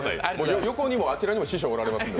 横にもあちらにも師匠がおられますから。